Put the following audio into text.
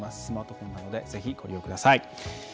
スマートフォンなどでぜひ、ご利用ください。